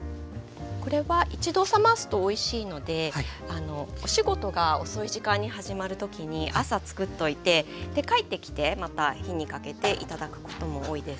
これは一度冷ますとおいしいのでお仕事が遅い時間に始まる時に朝つくっておいて帰ってきてまた火にかけて頂くことも多いです。